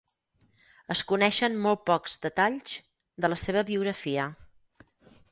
Es coneixen molt pocs detalls de la seva biografia.